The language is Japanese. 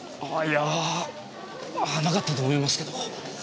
あいやぁなかったと思いますけど。